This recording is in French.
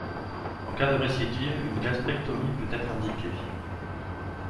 En cas de récidive, une gastrectomie peut être indiquée.